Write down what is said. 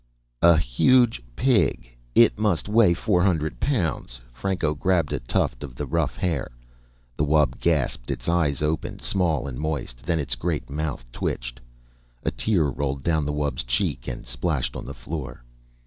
"A huge pig. It must weigh four hundred pounds." Franco grabbed a tuft of the rough hair. The wub gasped. Its eyes opened, small and moist. Then its great mouth twitched. A tear rolled down the wub's cheek and splashed on the floor.